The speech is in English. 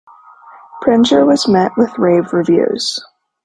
Prenger was met with rave reviews.